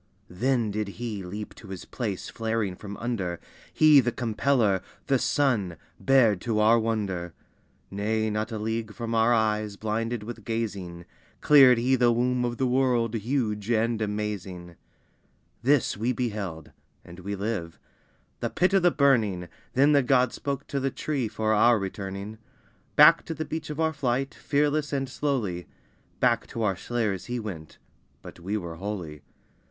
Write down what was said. Then did He leap to His place flaring from under, He the Compeller, the Sun, bared to our wonder. Nay, not a league from our eyes blinded with gazing, Cleared He the womb of the world, huge and amazing! This we beheld (and we live) the Pit of the Burning, Then the God spoke to the tree for our returning; Back to the beach of our flight, fearless and slowly, Back to our slayers he went: but we were holy.